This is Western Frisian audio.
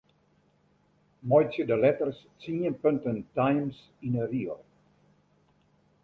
Meitsje de letters tsien punten Times yn 'e rigel.